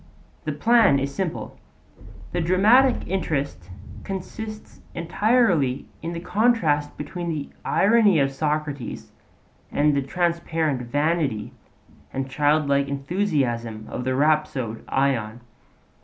The plan is simple; the dramatic interest consists entirely in the contrast between the irony of Socrates and the transparent vanity and childlike enthusiasm of the rhapsode Ion.